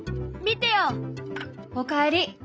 見てよ！お帰り。